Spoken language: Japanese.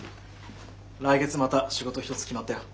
来月また仕事１つ決まったよ。